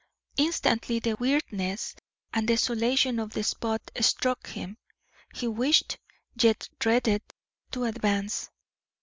Instantly the weirdness and desolation of the spot struck him. He wished, yet dreaded, to advance.